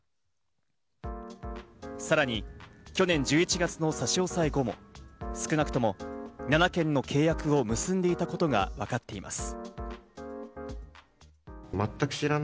さらに、去年１１月の差し押さえ後も、少なくとも７件の契約を結んでいたことがわかっています。